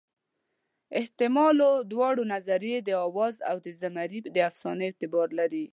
حتمالاً دواړه نظریې د اوازو او د زمري د افسانې اعتبار لري.